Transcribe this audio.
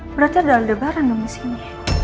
berarti ada aldebaran dong disini